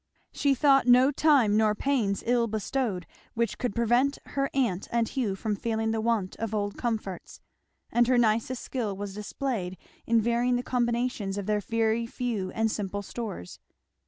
She thought no time nor pains ill bestowed which could prevent her aunt and Hugh from feeling the want of old comforts; and her nicest skill was displayed in varying the combinations of their very few and simple stores.